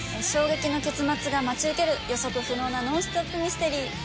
衝撃の結末が待ち受ける予測不能なノンストップミステリー。